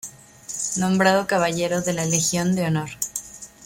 Nombrado caballero de la Legión de Honor.